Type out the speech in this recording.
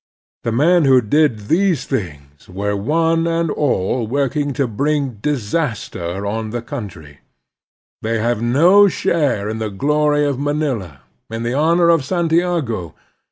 The men who did these things were one and all working to bring disaster on the cotmtry. They have no share in the glory of Manila, in the honor of Santiago.